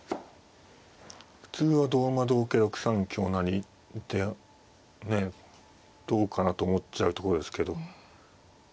普通は同馬同桂６三香成でねどうかなと思っちゃうとこですけど。